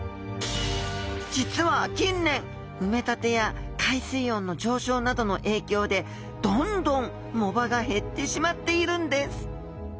実は近年埋め立てや海水温の上昇などの影響でどんどん藻場が減ってしまっているんです。